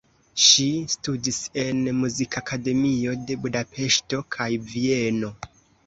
Ŝi studis en Muzikakademio de Budapeŝto kaj Vieno.